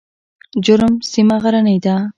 جرم سیمه غرنۍ ده؟